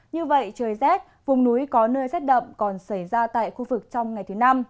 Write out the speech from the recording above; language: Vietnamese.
như vậy trời rét vùng núi có nơi rét đậm còn xảy ra tại khu vực trong ngày thứ năm